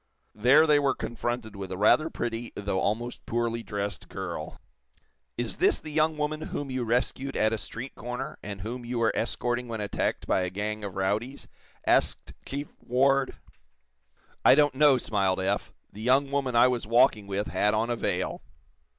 There they were confronted with a rather pretty though almost poorly dressed girl. "Is this the young woman whom you rescued at a street corner, and whom you were escorting when attacked by a gang of rowdies?" asked Chief Ward. "I don't know," smiled Eph. "The young woman I was walking with had on a veil."